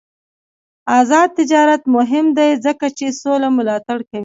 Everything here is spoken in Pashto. آزاد تجارت مهم دی ځکه چې سوله ملاتړ کوي.